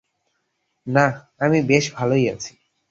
না, আমি বেশ ভালোই আছি।